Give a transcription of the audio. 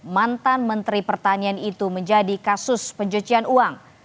mantan menteri pertanian itu menjadi kasus pencucian uang